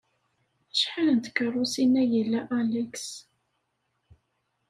Acḥal n tkeṛṛusin ay ila Alex?